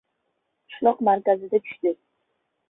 Qishloq markazida tushdi.